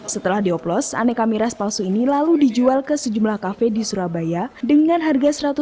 setelah dioplos aneka miras palsu ini lalu dijual ke sejumlah kafe di surabaya dengan harga rp satu ratus dua puluh hingga rp satu ratus lima puluh per botol